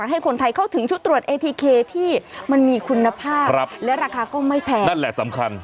ไอนี่เป็นหลักสำคัญ